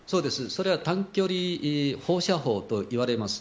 それは短距離放射砲といわれます。